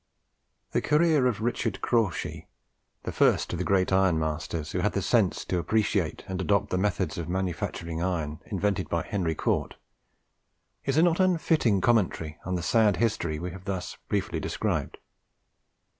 The career of Richard Crawshay, the first of the great ironmasters who had the sense to appreciate and adopt the methods of manufacturing iron invented by Henry Cort, is a not unfitting commentary on the sad history we have thus briefly described.